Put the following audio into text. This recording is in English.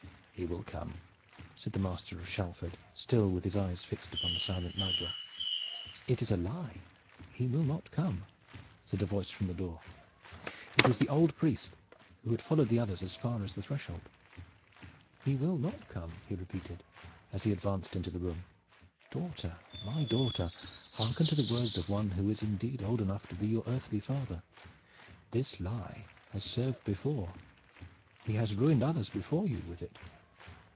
"He will come," said the master of Shalford, still with his eyes fixed upon the silent Nigel. "It is a lie; he will not come," said a voice from the door. It was the old priest, who had followed the others as far as the threshold. "He will not come," he repeated as he advanced into the room. "Daughter, my daughter, hearken to the words of one who is indeed old enough to be your earthly father. This lie has served before. He has ruined others before you with it.